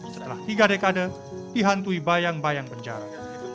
setelah tiga dekade dihantui bayang bayang penjara